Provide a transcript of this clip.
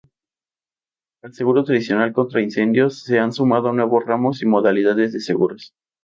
Al seguro tradicional contra incendios se han sumado nuevos ramos y modalidades de seguros.